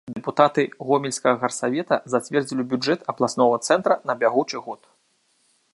Дэпутаты гомельскага гарсавета зацвердзілі бюджэт абласнога цэнтра на бягучы год.